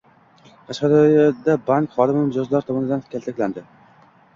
Qashqadaryoda bank xodimlari mijozlar tomonidan kaltaklandi